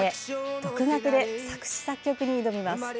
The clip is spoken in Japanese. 独学で作詞・作曲に挑みます。